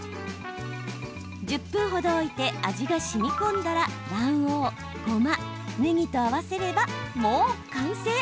１０分程、置いて味がしみこんだら卵黄、ごま、ねぎと合わせればもう完成。